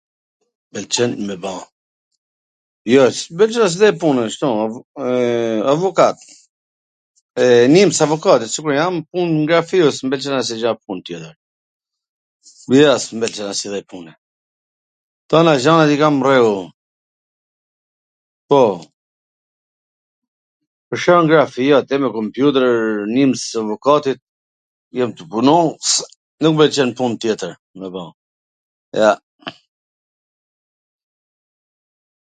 M pwlqen me ba, jo asnjw lloj pune, ashtu, avokat, nims avokat, sikur jam, pun n grafio, s mw pwlqen asnjw gja tjetwr, jo, s mw pwlqen asnjw lloj pune, tana gjanat i kam n rregull un, po, kur shkon grafio, atje, kompjuter, nims avokatit, jam tu punu, nuk m pwlqen pun tjetwr, me ba, jo.